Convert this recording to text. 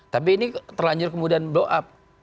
tapi ini terlanjur kemudian blow up